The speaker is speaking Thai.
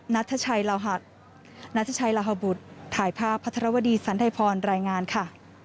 นัทชัยลาฮบุตรถ่ายภาพพระธรวดีสันไทยพรรณรายงานค่ะ